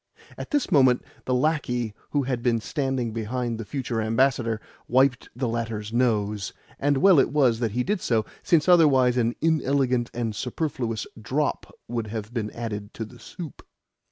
At this moment the lacquey who had been standing behind the future ambassador wiped the latter's nose; and well it was that he did so, since otherwise an inelegant and superfluous drop would have been added to the soup.